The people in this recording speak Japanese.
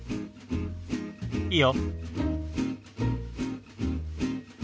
いいよ。